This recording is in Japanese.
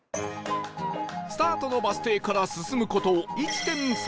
スタートのバス停から進む事